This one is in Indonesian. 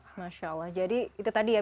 masya allah jadi itu tadi ya